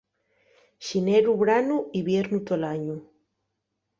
Xineru branu, iviernu tol añu.